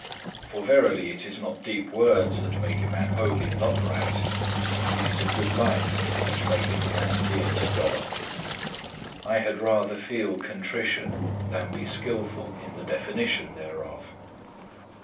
For verily it is not deep words that make a man holy and upright; it is a good life which maketh a man dear to God. I had rather feel contrition than be skilful in the definition thereof.